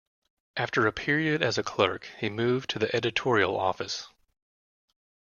After a period as a clerk, he moved to the editorial office.